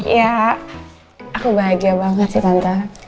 ya aku bahagia banget sih santa